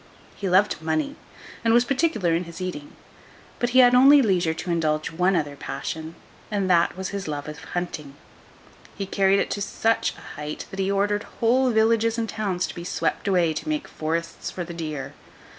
He loved money, and was particular in his eating, but he had only leisure to indulge one other passion, and that was his love of hunting. He carried it to such a height that he ordered whole villages and towns to be swept away to make forests for the deer.